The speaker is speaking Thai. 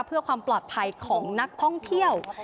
เพื่อความปลอดภัยของนักท่องเที่ยว